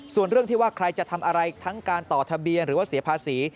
ส่วนเรื่องที่ว่าใครจะทำอะไรทั้งการต่อทะเบียนหรือว่าเสียภาษี